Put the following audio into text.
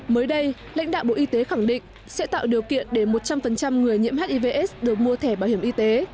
mới đây lãnh đạo bộ y tế khẳng định sẽ tạo điều kiện để một trăm linh người nhiễm hivs được mua thẻ bảo hiểm y tế